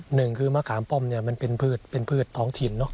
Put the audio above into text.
หนึ่งคือมะขามป้อมเป็นพืชท้องถิ่น